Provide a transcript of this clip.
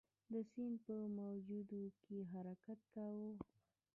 د سیند په موجونو کې حرکت کاوه.